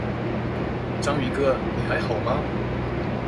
章魚哥，你還好嗎？